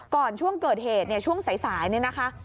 ช่วงเกิดเหตุเนี่ยช่วงสายนี่นะคะ